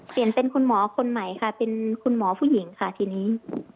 คุณหมอคนใหม่ค่ะเป็นคุณหมอผู้หญิงค่ะทีนี้